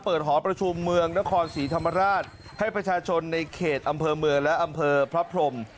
หอประชุมเมืองนครศรีธรรมราชให้ประชาชนในเขตอำเภอเมืองและอำเภอพระพรม